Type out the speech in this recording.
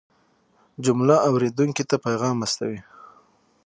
جمله اورېدونکي ته پیغام رسوي.